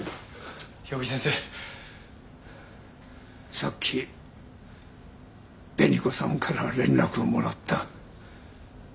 さっき紅子さんから連絡をもらった。